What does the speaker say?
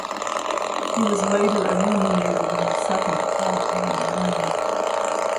He was later eliminated in the second qualifying round.